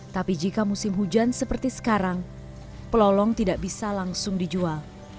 tapi jika musim hujan seperti sekarang pelolong tidak bisa langsung dijual